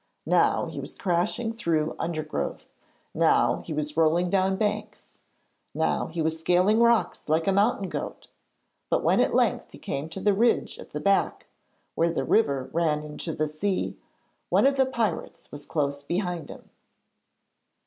Now he was crashing through undergrowth, now he was rolling down banks, now he was scaling rocks like a mountain goat; but when at length he came to the ridge at the back, where the river ran into the sea, one of the pirates was close behind him.